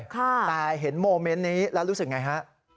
แต่เห็นโมเมนต์นี้แล้วรู้สึกไงฮะ